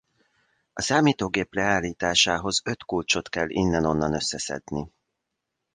A számítógép leállításához öt kulcsot kell innen-onnan összeszedni.